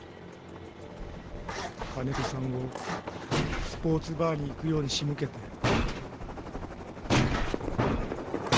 金戸さんをスポーツバーに行くように仕向けて。